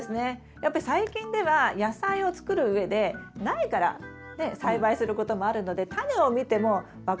やっぱり最近では野菜をつくるうえで苗から栽培することもあるのでタネを見ても分かんないこと多いですよね。